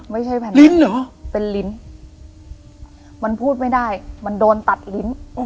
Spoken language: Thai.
แผ่นลิ้นเหรอเป็นลิ้นมันพูดไม่ได้มันโดนตัดลิ้น